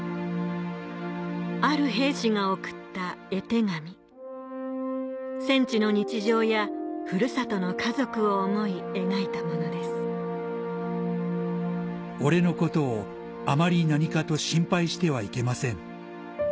ある兵士が送った戦地の日常やふるさとの家族を思い描いたものです「俺のことをあまり何かと心配してはいけません」